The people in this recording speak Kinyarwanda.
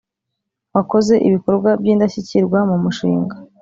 wakoze ibikorwa by’indashyikirwa mu mushinga